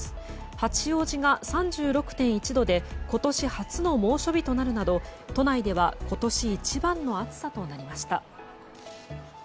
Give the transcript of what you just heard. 八王子が３６．１度で今年初の猛暑日になるなど都内では今年一番の暑さとなりました。